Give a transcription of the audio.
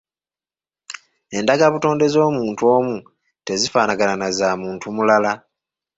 Endagabutonde z'omuntu omu tezifaanagana na zamuntu mulala.